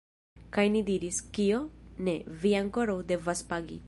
Kaj ni diris: Kio? Ne, vi ankoraŭ devas pagi.